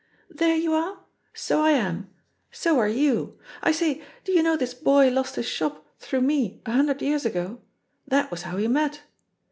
"There you are? So I am. So are youl I say, do you know this boy lost a shop through me a hundred years ago? That was how we met.